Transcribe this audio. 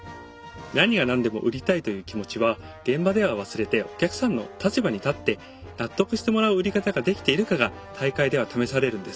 何が何でも「売りたい」という気持ちは現場では忘れてお客さんの立場に立って納得してもらう売り方ができているかが大会では試されるんです。